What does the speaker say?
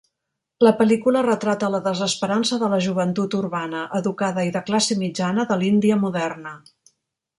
La pel·lícula retrata la desesperança de la joventut urbana, educada i de classe mitjana de l'Índia moderna.